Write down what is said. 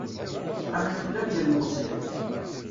Am nutni am yilmeẓyen.